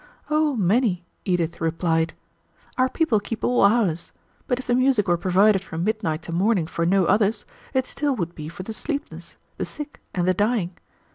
"Oh, many," Edith replied. "Our people keep all hours; but if the music were provided from midnight to morning for no others, it still would be for the sleepless, the sick, and the dying.